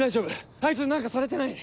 あいつに何かされてない？